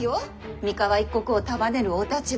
三河一国を束ねるお立場。